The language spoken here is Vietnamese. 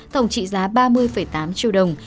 tổng trị giá ba mươi tám triệu đồng